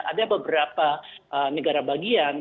ada beberapa negara bagian